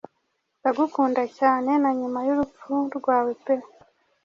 nzagukunda cyane nanyuma y'urupfu rwawe pe